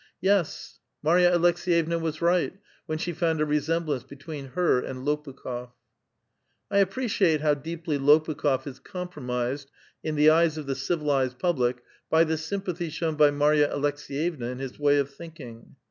Yes, Marj^a Aleks^yevna was right,; when she found a resemblance between her and Lopukh6f. I appreciate how deeply Lopukh6f is compromised in the eyes of the civilized public by thc^ sympathy shown by Marya Aleks^vevna in his wav of thinkino